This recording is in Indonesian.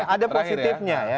ada positifnya ya